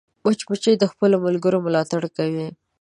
مچمچۍ د خپلو ملګرو ملاتړ کوي